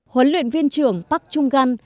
huấn luyện viên trưởng park chung gan